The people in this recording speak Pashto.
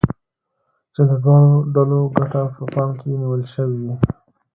چې د دواړو ډلو ګټه په پام کې نيول شوې وي.